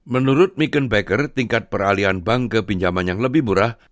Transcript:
menurut mickenbaker tingkat peralian bank ke pinjaman yang lebih murah